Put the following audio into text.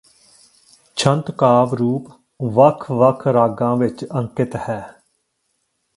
ਛੰਤ ਕਾਵਿ ਰੂਪ ਵੱਖ ਵੱਖ ਰਾਗਾਂ ਵਿਚ ਅੰਕਿਤ ਹੈ